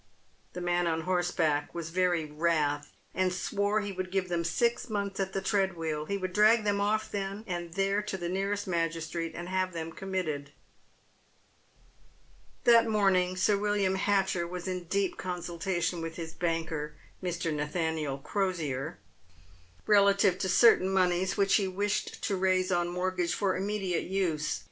The man on horseback was very wrath, and swore he would give them six months at the tread wheel. He would drag them off then and there to the nearest magistrate, and have them committed. That morning Sir "William Hatcher was in deep consultation with his banker — Mr. Nathaniel Crosier — relative to certain moneys which he wished to raise on mortgage for immediate use.